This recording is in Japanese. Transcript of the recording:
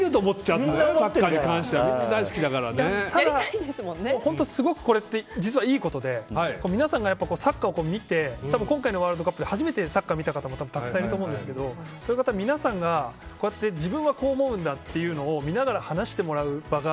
ただ、これってすごく実はいいことで、皆さんがサッカーを見て今回のワールドカップで初めてサッカー見た方もたくさんいると思うんですけどそれが皆さんが、こうやって自分はこう思うんだというのを見ながら話してもらう場が